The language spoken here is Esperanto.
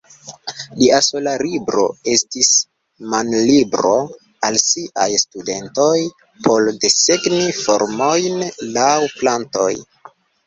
Lia sola libro estis manlibro al siaj studentoj por desegni formojn laŭ plantoj.